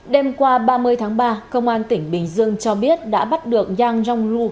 đêm qua ba mươi tháng ba công an tỉnh bình dương cho biết đã bắt được yang rongru